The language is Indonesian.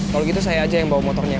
kalau gitu saya aja yang bawa motornya